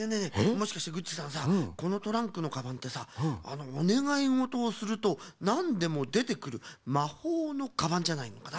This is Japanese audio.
もしかしてグッチさんさあこのトランクのカバンってさおねがいごとをするとなんでもでてくるまほうのカバンじゃないのかな？